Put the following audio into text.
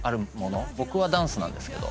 僕はダンスなんですけど。